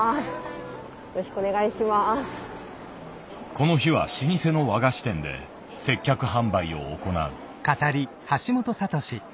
この日は老舗の和菓子店で接客販売を行う。